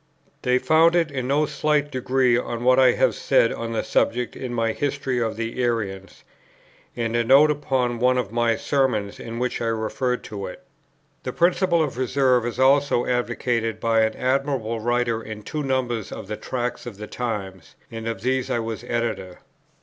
They found it in no slight degree on what I have said on the subject in my History of the Arians, and in a note upon one of my Sermons in which I refer to it. The principle of Reserve is also advocated by an admirable writer in two numbers of the Tracts for the Times, and of these I was the Editor.